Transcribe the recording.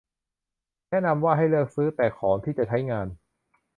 แนะนำว่า ให้เลือกซื้อแต่ของที่จะใช้งาน